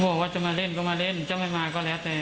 บอกว่าจะมาเล่นก็มาเล่นจะไม่มาก็แล้วแต่